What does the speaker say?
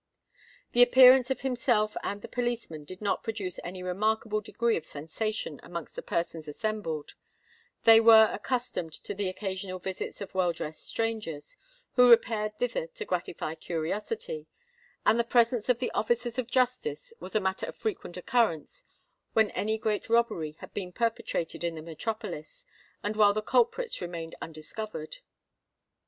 The appearance of himself and the policeman did not produce any remarkable degree of sensation amongst the persons assembled: they were accustomed to the occasional visits of well dressed strangers, who repaired thither to gratify curiosity; and the presence of the officers of justice was a matter of frequent occurrence when any great robbery had been perpetrated in the metropolis, and while the culprits remained undiscovered.